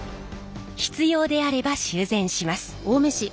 必要であれば修繕します。